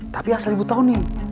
tapi asal ibu tau nih